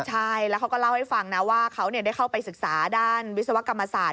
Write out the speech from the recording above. ใช่แล้วเขาก็เล่าให้ฟังนะว่าเขาได้เข้าไปศึกษาด้านวิศวกรรมศาสต